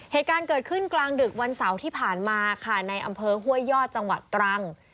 เหตุการณ์เกิดขึ้นกลางดึกวันเสาร์ที่ผ่านมาค่ะในอำเภอห้วยยอดจังหวัดตรัง